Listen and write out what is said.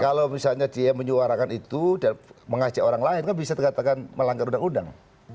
kalau misalnya dia menyuarakan itu dan mengajak orang lain kan bisa dikatakan melanggar undang undang